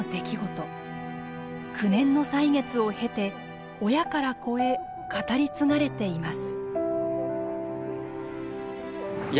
９年の歳月を経て親から子へ語り継がれています。